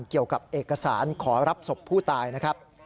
เกี่ยวกับเอกสารขอรับศพผู้ตายนะครับ